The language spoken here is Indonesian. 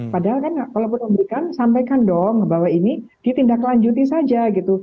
padahal kalau memberikan sampaikan dong bahwa ini ditindaklanjuti saja